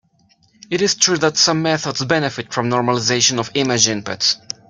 It is true that some methods benefit from normalization of image inputs.